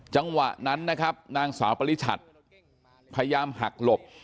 จังหวะนั้นนะครับนางสาวปริชัดพยายามหักหลบ